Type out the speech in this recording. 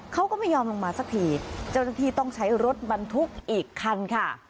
เขาก็ไม่ยอมลงมาสักทีเจ้าหน้าที่ต้องใช้รถบรรทุกอีกคันค่ะ